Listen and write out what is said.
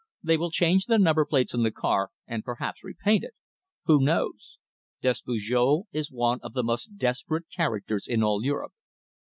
They will change the number plates on the car, and perhaps repaint it! Who knows? Despujol is one of the most desperate characters in all Europe!"